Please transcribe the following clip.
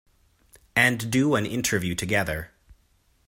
And do an interview together.